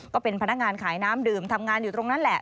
ก็เป็นพนักงานขายน้ำดื่มทำงานอยู่ตรงนั้นแหละ